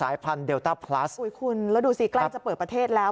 ใช่ครับอุ้ยคุณแล้วดูสิกล้างจะเปิดประเทศแล้ว